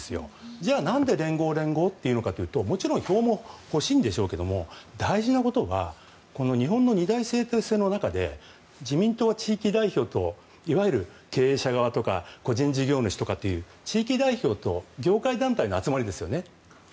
じゃあなんで連合、連合というのかというともちろん票も欲しいんでしょうが日本の二大政党制の中で自民党が地域代表といわゆる経営者側とか個人事業主とか地域代表との集まりですよね。